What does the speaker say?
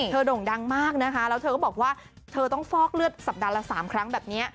โด่งดังมากนะคะแล้วเธอก็บอกว่าเธอต้องฟอกเลือดสัปดาห์ละ๓ครั้งแบบนี้